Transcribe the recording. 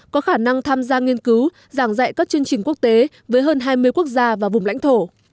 có khả năng tham gia nghiên cứu giảng dạy các chương trình quốc tế với hơn hai mươi quốc gia và vùng lãnh thổ